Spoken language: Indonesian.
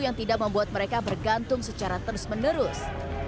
yang tidak membuat mereka bergantung secara terus menerus